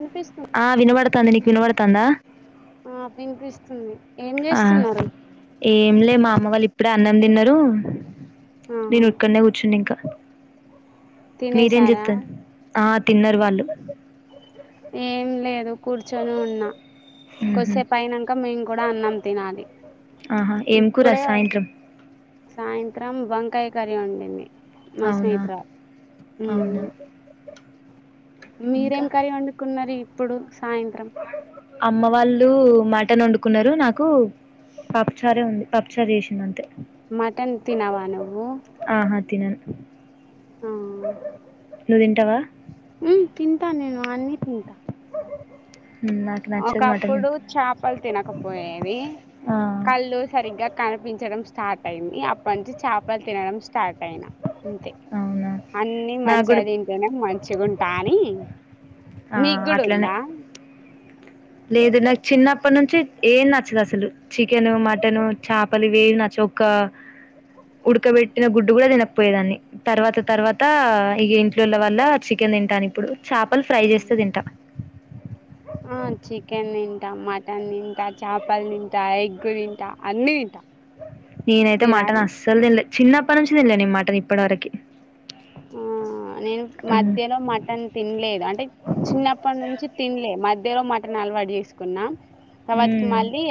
వినిపిస్తుంది ఆ వినవాడతాంది విన్నవడతాందా ఆ వినిపిస్తుంది ఏం ఆ చేస్తున్నారు ఏం లే మా అమ్మ వాళ్ళ్ ఇప్పుడె అన్నం తిన్నరు ఆహా నేను ఇక్కడనే కూర్చున్న ఇంకా తినేసారా మీరేంజేత్తుర్ ఆ తిన్నరు వాళ్ళు ఏం లేదు కూర్చొనె ఉన్నా ఉహు కొద్దిసేపు అయినంక మేం కుడా అన్నం తినాలి ఆహా ఏం కూర ఇప్పుడే సాయంత్రం సాయంత్రం వం కాయ్ కర్రి వండింది నా అవునా స్నేహితుల అవునా హ్మ్ ఇంకా మీరేం కర్రి వండుకున్నర్ ఇ ప్పుడు అమ్మ వాళ్ళ్ మటన్ వండుకున్నరు నాకు పప్పుచారే ఉంది పప్పు చార్ చేసింది అంతే మటన్ తినవా నువ్వు ఆహా తినను ఆ నువ్ తింటవా హ్మ్ తింట నేను అన్నీ తింట మ్మ్, నాకు నచ్చదు మటన్ ఒకప్పుడు చాపలు తినకపోయేది ఆ కళ్ళు సరిగ్గా కనిపించడం స్టార్ట్ అయింది అప్పటి నుంచి చాపలు తినడం స్టార్ట్ అయిన అంతే అవునా అన్ని నాకు మంచిగా కూడా తింటేనే మ దాని ఆ అట్లనే మీగుడుందా లేదు నాకు చిన్నప్పటి నుంచి ఏం నచ్చదు అసలు చికెను మటను చాపలు ఇవి ఏమి నచ్చదు ఒక ఉడకబెట్టిన గుడ్డు కూడా తినక పోయేదాన్ని. తర్వాత తర్వాత ఇగ ఇంట్లోల వల్ల చికెన్ తింటాను ఇప్పుడు. చేపలు ఫ్రై చేస్తే తింటా. ఆ చికెన్ తింట, మటన్ తింట, చాపల్ తింట, ఎగ్గు తింట, అన్నీ తింట. నేనైతే మటన్ అస్సల్ తినలే చిన్నప్ప నుంచ్. తినలే నెన్ మటన్ ఇప్పటి వరకి. ఆ నేను మధ్యల మటన్ తిన్లే అంటే చిన్నప్పటి నుంచి తిన్లే మధ్యలో మటన్. అలవాటు చేేసుకున్నా తరావాతికి హ్మ్. మళ్లీ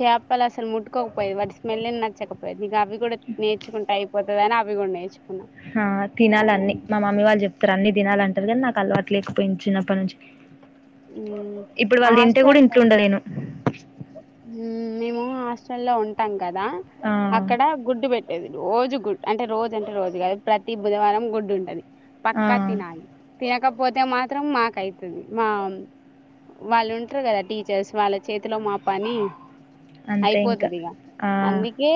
చాప్ వాళ్ళ అస్సల్ ముట్టుకోకపోయేది వాటి స్మెల్ల్ఏ నచ్చకపోయేది. ఇగ అవి కూడా నేర్చుకుంటే అయిపోత్. అవుగూడ నేర్చిక్ హ తి. తినాలన్ని మా మామ్మీ వాళ్ళు చెప్. రు అన్ని దినాల అంటారు కానీ నాకు అలవాటు లేకపోయి చిన్నప్పటి నుంచ్. ఇప్పుడ్ వాళ్ళు తింటే కూడా ఇంట్లో ఉండలేను. ఉహూ మేము హాస్టల్ లో ఉంటాం. కదా! ఆ, అక్కడ గుడ్డు పెట్టేది. రోజు గుడ్ అంటే రోజు అంటే రోజు కాదు ప్రతి బుధవారం గుడ్డు ఉంటది. ఆ, పక్కా తినాలి తిలక్. కాకపోతే మాత్రం మాకయితది మా వాళ్ళుంటరు కదా టీచర్స్ వాళ్ళ చేతిలో మా. పని అంతే ఇంకా అయిపోతది ఇగ ఆ, అందుకే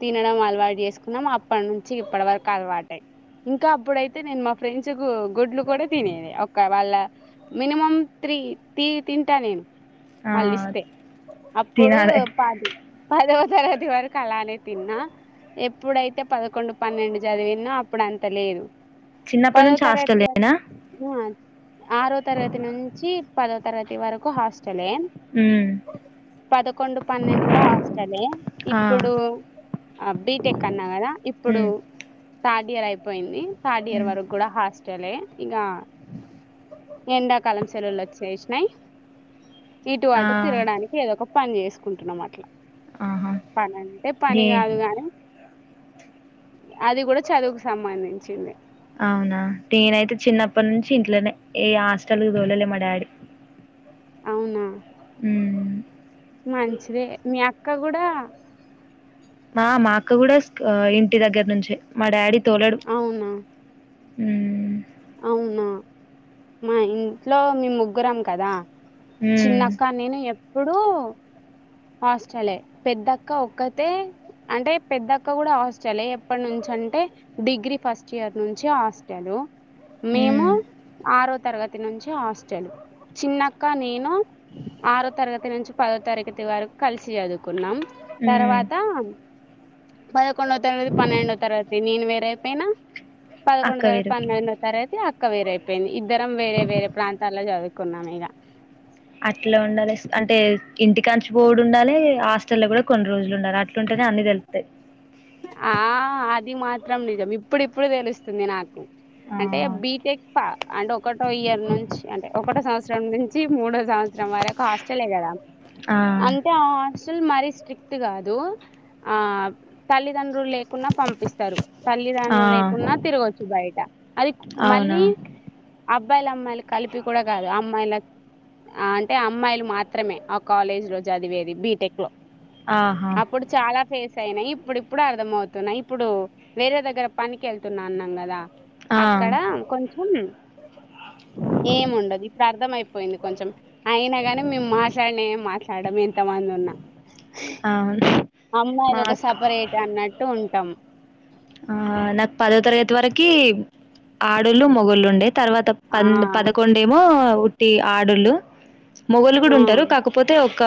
తినడం అలవాటు చేసుకున్నాం. అప్పట్నుంచి ఇప్పటి వరకు అలవాటయింది. ఇంకా అప్పుడైతే నేను మా ఫ్రెండ్స్ కు గుడ్లు కూడా తినేది ఒక వాళ్ళ మినిమం త్రీ తి తింటా నేన్. ఆ, [inaudible] అప్పుడు తినాలే ఉపాధి. పదవ తరగది వరకు అలానే తిన్నా ఎప్పుడైతే పదకొండు పన్నెండు చదివినో అప్పుడు అంత లేదు. చిన్నప్పటి పదో నుంచి తరగతి హాస్టల్ వరకు లేనా. ఆరో తరగతి నుంచి పదో. తరగతి వరకు హాస్టలే. ఉమ్ పదకొండు పన్నెండు కూడా హాస్టలే ఆ ఇప్పుడు ఆహ్ బిటెక్ అన్నా కదా ఇప్పుడు ఉమ్ థార్డ్ ఇయర్ అయిపొ. పోయింది థర్డ్ ఇయర్ ఉమ్ వరకు కూడా హాస్టలే, ఇగ ఎండాకాలం సెలవులు వచ్చేసినాయి. ఇటు ఆ అటు తిరడానికి ఏదో ఒక పని జేసుకుంటున్నాం అట్లా ఆహా పని అంటే పని నే గాదు గాని అది కూడా చదువుకు సంబంధించిందే. అవునా, నేనైతే చిన్నప్పటినుంచి ఇంట్లనే, ఏ హాస్టల్ కి తోలలే మా డాడీ. అవునా ఉమ్ మంచిదే మీ అ అక్క కూడా మా మా అక్క కూడా ఇంటి దగ్గర నుంచే మా డాడీ. అవునా హ్మ్ అవునా మా ఇంట్లో మేము ముగ్గురం కదా! ఉమ్ చిన్నక్క నేను ఏపు ఇప్పుడు హాస్టలే, పెద్దక్క ఒక్కతే, అంటే పెద్దక్క కూడా హాస్టలే, ఎప్పటినుంచఅంటే డిగ్రీ ఫస్ట్ ఇయర్ నుంచి హాస్టల్. మేము ఉమ్ ఆరో తరగతి. ఫిఫ్త్ నుంచే హాస్టల్ చిన్నక్క నేను ఆరో తరగతి నుంచి పదో తరగతి వరకు కలిసి చదువుకున్నాం ఉమ్ తర్వాత హ [unintelligible] పదకొండవ తరగతి పన్నెండవ తరగతి నేను వేరే అయిపోయిన పదకొండవ అక్క తరగతి వేరు పన్నెండ అక్క వేరైపోయింది. ఇద్దరం వేరే వేరే ప్రాంతాల్లో చదువుకున్నాం ఇగ అట్లుండాలి అంటే ఇంటికాంచి బొవుడుండాలే హాస్టల్ల కూడా కొన్ని రోజులు ఉండాలే అట్లుంటనే అన్ని తెలుత్తాయి. ఆ అది మాత్రం నిజం ఇప్పుడిప్పుడు తెలుస్తుంది నాకు. ఆ అంటే బీటెక్ [unintelligible] అండ్ ఒకటో ఇయర్ నుంచి అంటే ఒకటో సంవత్సరం నుంచి మూడో సంవత్సరం వరకు హాస్టలే కదా ఆ అంటే హస్ట [unintelligible] మరీ స్ట్రిక్ట్ కాదు ఆ తల్లిదండ్రులేక [unintelligible] పంపిస్తారు ఆ తల్లిదండులు లేకున్నా తిరగొచ్చు బయట అది అవునా మళ్ళీ అ అబ్బాయిలు అమ్మాయిలు కలిపి కూడా కాదు, అమ్మాయిల [unintelligible] అంటే అమ్మాయిలు మాత్రమే ఆ కాలేజీలో చదివేది బీటెక్ లో. ఆహా అప్పుడు చాలా ఫేస్ అయినా ఈ ఇప్పుడు ఇప్పుడు అర్థ అవుతున్నాయి ఇప్పుడు వేరే దగ్గర పనికి వెళ్తున్నా అన్నాం కదా ఆ అక్కడ కొంచెం ఏముండదు ఇ ప్రడు అార్థమయిపో పోయింది కొంచెం అయినా గాని మేము మాట్లాడినిం మాట్లాడడంమే మ ఉన్న అవును అమ్మాయిలు ఒక మాకు సపరేట్ అన్నట్టు ఉంటాం ఆ నాకు పదో తరగతి వరకి ఆడళ్ళు మొగుళ్ళు ఉండే తర్వాత ఆ పన్ పదకొండేమో కుట్టి ఆడులు మొగలు కూడా ఆ ఉంటారు కాకపోతే ఒక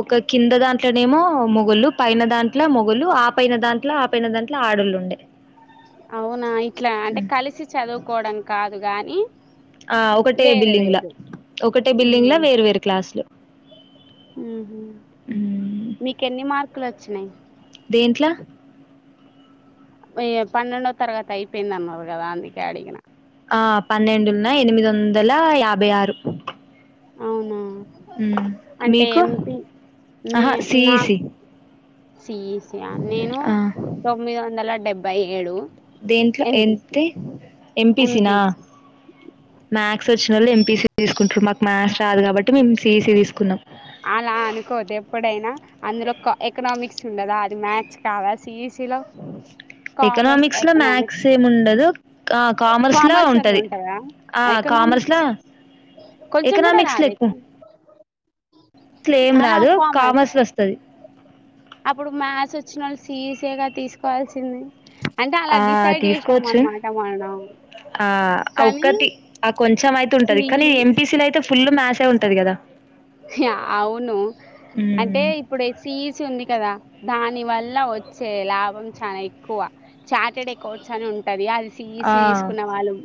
ఒక కింద దాంట్లోనేమో మొగలు పైన దాంట్లో మొగలు ఆ పన దాంట్లో ఆపైన దాంట్లో ఆడళ్ళు ఉండే అవునా ఇట్లా అంటే కలిసి చదువుకోవడం కాదు గాని ఆ ఒకటే వేరే బిల్డింగ్ల వేరు ఒకటే బిల్డింగ్ల వేరు వేరు క్లాసులు మీక ఎన్ని మార్కులు వచ్చినాయి్ ఏంట్లా య పన్నెండో తరగతి అయిపోయింది అన్నారు కదా అందుకే అడిగిన ఆ పన్నెండున్న ఎనిమిది వందల యాభై ఆరు అవునా మ్మ్ అంటే మీకు ఎంపీ మ ఆహా నా సిఈసి సిఈసి నేను ఆ తొమ్మిది వందల డెబ్బై బై ఏళు దేంట్లో ఎంతే ఎంపీసినా ఎంపీసి మ్యాథ్స్ వచ్చినోళ్ళు ఎంపీసి తీస్ కొంచెం మాకు మ్యాథ్స్ రాదు కాబట్టి మేము సీఈసీ తీసుకున్నం. అలా అనుకోద్దు ఎప్పుడైనా అందులో కా ఎకనామిక్స్ ఉండదా అది మ్యాథ్స్ కాదా సీఈసి ఎకనామిక్స్ లో మ్యాక్స్ ఎకనామిక్స్ ఏం ఉండదు కా కామర్స్ లో అని ఉంటది. ఉంటదా ఆ ఎకనామిక్స్ కామర్స్లో కొంచెం కూడా ఎకనామిక్స్ లో రాదు ఎక్కువ ఎకనా ల ఏం రాదు కామర్స్ ల వస్తది. అప్పుడు మ్యాథ్స్ వచ్చినోళ్ళు సీఈసేగా తీసుకోవాల్సింది అంటే అలా ఆ డిసైడ్ చేసినాం తీసుకోవచ్చు అనమాట మనం ఆ అ కానీ ఒక్కటి ఆ కొంచెం అయితే ఉంటది కానీ సిఈ ఎంపీసీలో అయితే ఫుల్లు మ్యాసే ఉంటది కదా! హా అవును అంటే హ్మ్ ఇప్పుడు ఈ సీఈసీ ఉంది కదా దాని వల్ల ల వచ్చే లాభం చానా ఎక్కువ చార్టెడ్ అకౌర్ట్స్ అని ఉంటది అది. ఆ సీఈసీ తీసుకున్న వాలు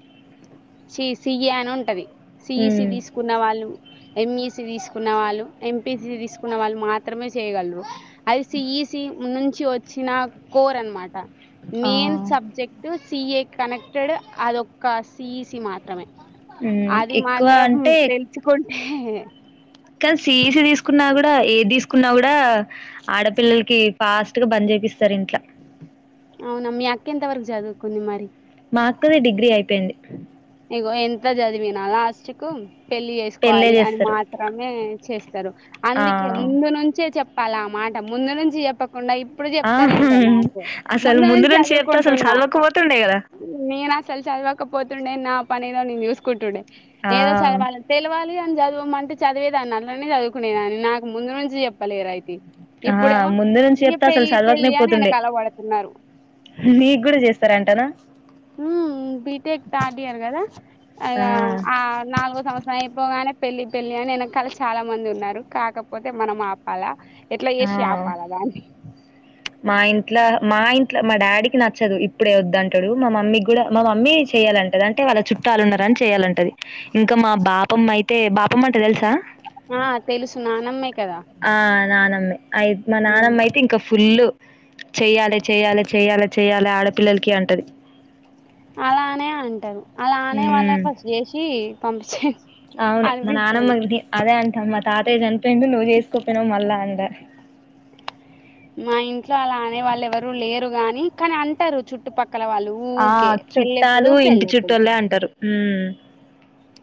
సి సిఎ అని ఉంటది సిఈసి హ్మ్ తీసుకున్న వాళ్ళు ఎంఈసి తీసు తీకున్న వాళ్ళు ఎంపిసి తీసుకున్న వాళ్ళు మాత్రమే చేయగలరు. అది సిఈసి నుంచి వచ్చిన కోర్ అనమాట ఆ మెయిన్ సబ్జెక్ట్ సిఏ కనెక్టెడ్ అదొక్క సిఈసి మాత్రమే హ్మ్ ఎక్కువ అంటే హే కాదు సిఈసి తీస్ కున్నా కూడా ఏది తీసుకున్నా కూడా ఆడపిల్లలకి ఫాస్ట్ గా బంద్ చేపిస్తారు ఇంట్లా అవునా మీ అక్కెంత వరకు జదువు కొంది మరి. మాఅక్కది డిగ్రీ అయిపోయింది ఇగో ఎంత చదివిన లాస్ట్ కు పెళ్లి పెళ్ళే చేసుకోవాలి అని చేస్తారు మాత్రమే చేస్తారు. ఆ అందుకే ముందు నుంచే చె. పలా మాట ముందు నుంచి చెప్ప ఉండ ఇప్పుడు ఆ చెప్తారెంటో నాకు అసలు ముందు నుంచి చెప్తే అసలు చదువుకుంటున్నా చదవకపోతుండే కదా నేను అసలు చదవకపోతు నా పనేదో నేను యూస్ కుటై ఆ ఏదో చదవాలి తెలివాలి ఆ నే చదువమంటే చదివేదాన్ని అల్లనే చదువుకునేదాన్ని నాకు ముందు నుంచి చెప్పలేరు రయితీ. ఆ ముందు నుంచి చెప్తా అసలు పెళ్లి చదవకనే అని పోతుండే వెనకాల పడుతున్నారు నీకు కూడా చేస్తార టా ర ఊ బిటేక్ తాటీారు కదా ఈగ ఆ నాలుగు సంవత్సరం అయి పోగానే పెళ్లిి పెళ్లిి అని వెనకాల చాలా మంది ఉన్నారు కాకపోతే మనం ఆపాల ఆ మా ఇంట్లో మా ఇంట్ ఇట్లా మా డాడీకి నచ్చదు ఇప్పుడే వద్దు అంటడు మా మమ్మీ కూడా మా మమ్మీ చెయ్యాలంటది అంటే వాళ్ళ చుట్టాలు ఉన్నారని చెయాలంటది ఇంకా మా బాపమ్మ అయితే బాపమ్మ అంట తెలుసా ఆ తెలుసు నానమ్మే కదా నే అయి మా నాన్నమ్ అయితే ఇంకా ఫు ఫుల్లు చేయ్యాలే చెయ్యాలే చెయ్యాలె చెయ్యాలె ఆడపిల్లలకి అంటది అలానే అంటరు అలా అనే మ్మ్ వాళ్ళకు చేసి పంపించ అవును నానమ్మది ఆడ అ మతతే జన్ [unintelligible] రెండు నువ్వు చేసుకోపోయినాఊ మళ్ళా అండ ఆ మా ఇంట్లో అలా ఆనే వాళ్ళు ఎవరు లేరు గాని కాని అంటారు చుట్టుపక్క ఆ చుట్టాలు ఇంటి పెళ్ళెప్పుడు చుట్టూలేే అంటారు ఊ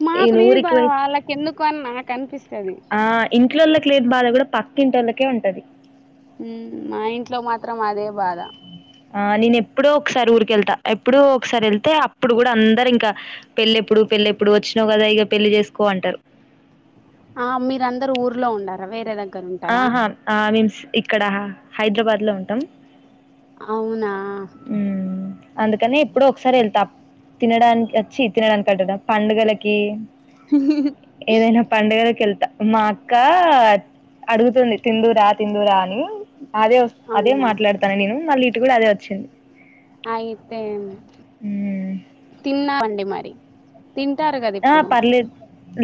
మాకు నేను లేని ఊరికి బాధ పోయి వాళ్ళకి ఎందుకు అని నాకు అనిపిస్తది ఆ ఇంట్లోలకి లేని బాధ కూడా పక్క కింటోళకే ఉంటది ఊ మా ఇంట్లో మాత్రం అదే బాధ ఆ నేన ఎప్పుడో ఒకసారి ఊరికెళ్తా ఎప్పుడో ఒకసారి వెళ్తే అప్పుడు కూడా అందరు ఇంకా పెళ్ళెప్పుడు పెళ్ళెప్పుడు వచ్చినో కదా ఇగ పెళ్ళి చేసుకో అంటరు ఆ మీరందరుూ ఊర్లో ఉండారా వేరే దగ్గ ఆహా ఆ [unintelligible] ఇక్కడ హైదరాబాద్లో ఉంటాం అవునా అందుకనే ఎప్పుడో ఒకసారి వెళ్తా ము తినడానికి వచ్చి తినడానికనుటున్న పండుగలకి ఏదైనా పడుగలకి వెళ్తా మా అక్క అడుగుతుంది తిందుూరా తిందుూరా అని అదే అదే అవునా మాట్లాడతాను నేను మళ్ళీ టుడా అదే వచ్చింది అయితే ఉమ్. తిన్నా బండే మరి తింటారు కదా ఆ ఇప్పుడు పర్లేదు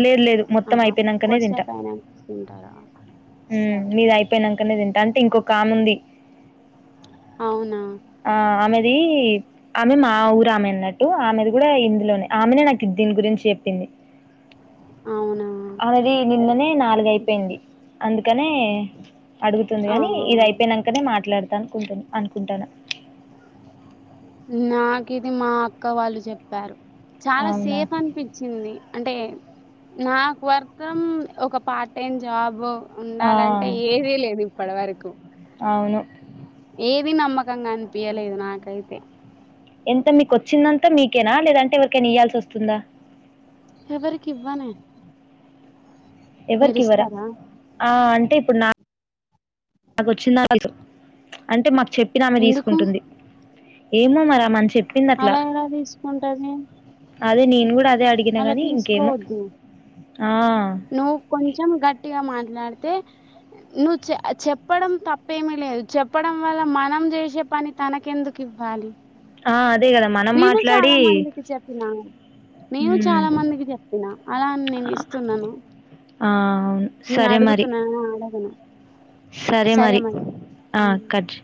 లేదు లేదు మొత్తం ఆహా అయిపోయినాకనే తింటా కొద్దిసేపు అయినాక తింటారా సరే మీది అయిపోయినాకనే తింటా అంటే ఇంకొక కామ్ ఉంది అవునా ఆ ఆమెది ఆమె మా ఊరు ఆమె అన్నట్టు ఆమెది కూడా ఇందులోనే ఆమెనే నాకు దీని గురించి చెప్పింది అవునా అనేది నిన్ననే నాలుగు అయిపోయింది అందుకనే అడుగుతుంది ఆ కాని ఇది అయిపోయినాకనే మాట్లాడుతుంది నుకు అనుకుంటాను నాకు ఇది మా అక్క వాళ్ళు చెప్పారు చాలా అవునా! సేఫ్ అనిపించింది అంటే నాకు వర్తం ఒక పార్ట్ టైం జాబ ఆ! ఉండాలంటే ఏదిీ లేదు ఇప్పటి వరకు అవును. ఏది నమ్మకంగా అనిపయలేదు నాకైతే ఎంత మీకుొచ్చిందంతా మీకేనా లేదంటే ఎవరికైనా ఇ్యాల్సి వస్తుందా ఎవరి క్వ నే మీరు ఎవరికివ్వరా? ఇస్తారా ఆ అంటే ఇప్పుడు నా నాకు వచ్చిందా అంటే మాకు చెప్పినామె ఎందుకు తీసుకుంటుంది ఏమో మరా మని చెప్ప అలా ఎలా తీసుకుంటది అదే నేను కూడా అదే అడిగిన అలా గాని ఇంకేమో తీసుకోవద్దు ఆ నువ్వు కొంచెం గట్టిగా మాట్ ఇలాడితే నువ్ చె చెప్పడం తప్పేమిీ లేదు చెప్పడం వల్ల మనం చేసే పని తనకెందుకు ఇవ్వాలి ఆ అదే కదా మనం నేను మాట్లాడి చాలా మందికి చెప్పినా నేను ఉమ్ చాలా మందికి చెప్పినా అలాని నేను ఇస్తున్నాను ఆ అవును నేను సరే మరి అడుగుతునా ఆడగను సరే మరి ఆ మరి కట్ీ